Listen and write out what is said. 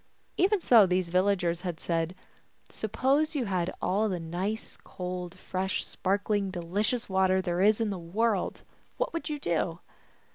Even so these villagers had said, " Suppose you had all the nice cold, fresh, sparkling, delicious water there is in the world, what would you do